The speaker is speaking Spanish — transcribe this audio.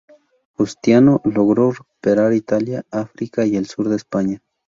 Justiniano logró recuperar Italia, África y el sur de España.